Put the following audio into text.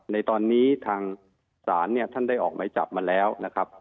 ในตอนนี้ทางศาลเนี่ยท่านได้ออกไหมจับมาแล้วนะครับ